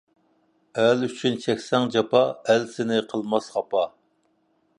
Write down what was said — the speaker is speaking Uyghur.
ئەل ئۈچۈن چەكسەڭ جاپا، ئەل سېنى قىلماس خاپا.